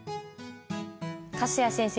粕谷先生